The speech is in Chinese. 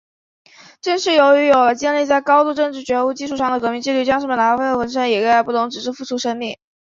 正是由于有了建立在高度政治觉悟基础上的革命纪律，将士们……哪怕烈火焚身，也岿然不动，直至付出生命。